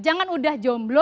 jangan udah jomblo